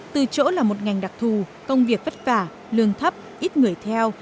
từ chỗ là một ngành đặc thù công việc vất vả lương thấp ít người theo